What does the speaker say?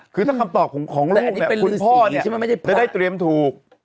คือถ้าคำตอบของของลูกเนี้ยคุณพ่อเนี้ยจะได้เตรียมถูก